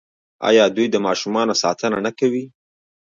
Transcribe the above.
آیا دوی د ماشومانو ساتنه نه کوي؟